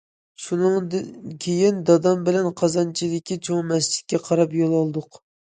شۇنىڭدىن كېيىن، دادام بىلەن قازانچىدىكى چوڭ مەسچىتكە قاراپ يول ئالدۇق.